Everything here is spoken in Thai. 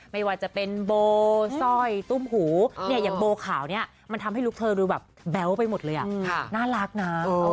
ไม่ว่าจะเป็นโบสร้อยตุ้มหูเนี่ยอย่างโบขาวเนี่ยมันทำให้ลูกเธอดูแบบแบ๊วไปหมดเลยน่ารักนะ